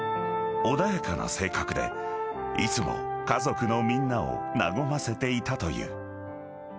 ［穏やかな性格でいつも家族のみんなを和ませていたという］